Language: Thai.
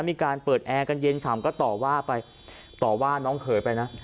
มีการเปิดแอร์กันเย็นฉ่ำก็ต่อว่าไปต่อว่าน้องเขยไปนะ